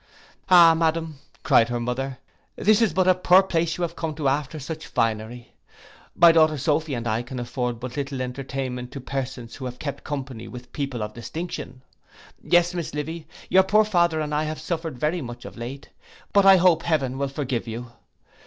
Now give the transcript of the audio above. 'Ah, madam,' cried her mother, 'this is but a poor place you are come to after so much finery. My daughter Sophy and I can afford but little entertainment to persons who have kept company only with people of distinction. Yes, Miss Livy, your poor father and I have suffered very much of late; but I hope heaven will forgive you.